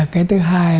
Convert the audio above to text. cái thứ hai